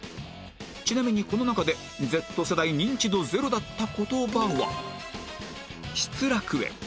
ちなみにこの中で Ｚ 世代認知度０だった言葉は